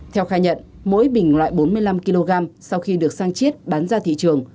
theo khai nhận mỗi bình loại bốn mươi năm kg sau khi được sang chiết bán ra thị trường